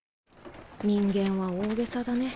人間は大げさだね